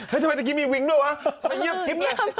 เฮ้ยทำไมเมื่อกี้มีวิ้งด้วยวะไม่เงียบคิดเลย